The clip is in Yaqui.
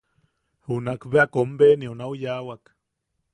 Junakbea kombenionau yaʼawak.